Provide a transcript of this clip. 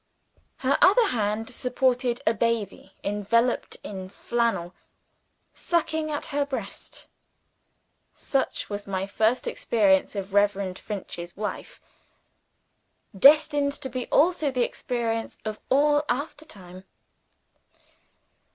Her other hand supported a baby enveloped in flannel, sucking at her breast. Such was my first experience of Reverend Finch's Wife destined to be also the experience of all aftertime.